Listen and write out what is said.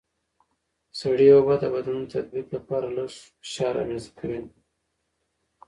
سړه اوبه د بدن د تطبیق لپاره لږ فشار رامنځته کوي.